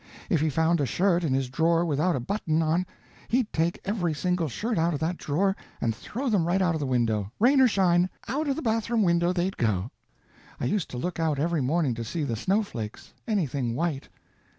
If he found a shirt in his drawer without a button on, he'd take every single shirt out of that drawer and throw them right out of the window, rain or shine out of the bathroom window they'd go. I used to look out every morning to see the snowflakes anything white.